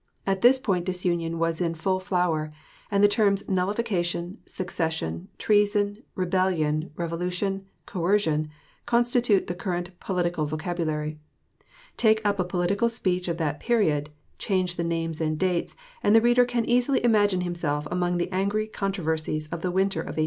At this point disunion was in full flower, and the terms nullification, secession, treason, rebellion, revolution, coercion, constitute the current political vocabulary. Take up a political speech of that period, change the names and dates, and the reader can easily imagine himself among the angry controversies of the winter of 1860.